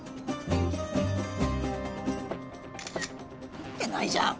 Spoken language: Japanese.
入ってないじゃん。